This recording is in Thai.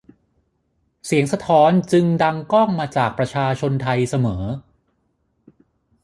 เสียงสะท้อนจึงดังก้องมาจากประชาชนไทยเสมอ